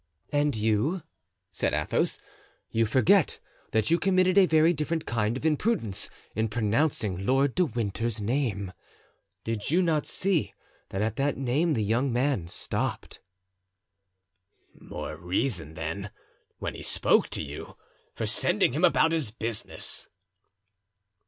"And you," said Athos, "you forget that you committed a very different kind of imprudence in pronouncing Lord de Winter's name. Did you not see that at that name the young man stopped?" "More reason, then, when he spoke to you, for sending him about his business."